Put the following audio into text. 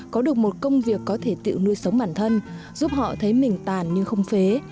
có được một công việc có thể tự nuôi sống bản thân giúp họ thấy mình tàn nhưng không phế